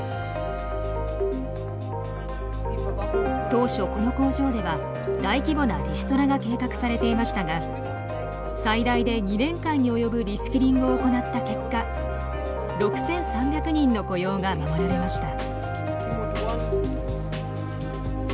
当初この工場では大規模なリストラが計画されていましたが最大で２年間に及ぶリスキリングを行った結果６，３００人の雇用が守られました。